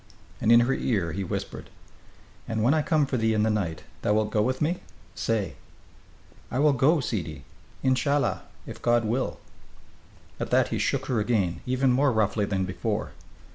And in her ear he whispered: "And when I come for thee in the night, thou wilt go with me? Say!" "I will go, sidi. In cha 'llah! If God will!" At that he shook her again, even more roughly than before.